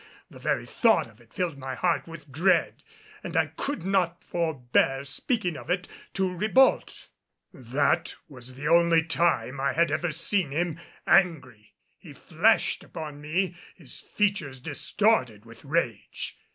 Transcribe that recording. The very thought of it filled my heart with dread, and I could not forbear speaking of it to Ribault. That was the only time I had ever seen him angry. He flashed upon me, his features distorted with rage.